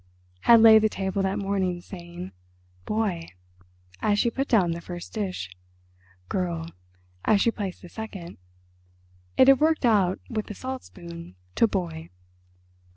Had laid the table that morning saying, "Boy," as she put down the first dish, "Girl," as she placed the second—it had worked out with the saltspoon to "Boy."